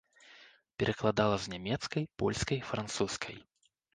Перакладала з нямецкай, польскай, французскай.